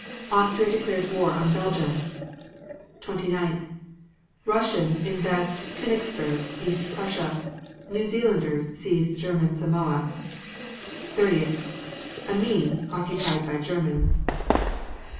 28. Austria declares war on Belgium. 29. Russians invest Konigsberg, East Prussia. New Zealanders seize German Samoa. 30. Amiens occupied by Germans.